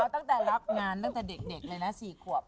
ตั้งแต่รับงานตั้งแต่เด็กเลยนะ๔ขวบ